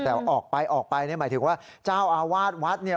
แต่ออกไปออกไปเนี่ยหมายถึงว่าเจ้าอาวาสวัดเนี่ย